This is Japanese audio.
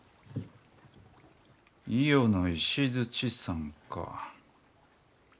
伊予の石山か。